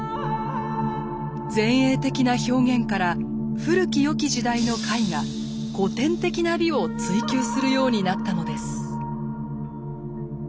前衛的な表現から古きよき時代の絵画古典的な美を追究するようになったのです。